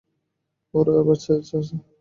ওরা বেঁচে আছে!